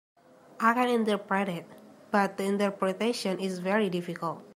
I can interpret it, but the interpretation is very difficult.